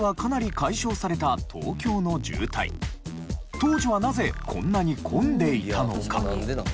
当時はなぜこんなに混んでいたのか？